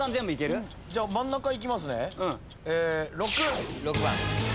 じゃあ真ん中いきますね。